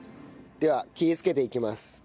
では切りつけていきます。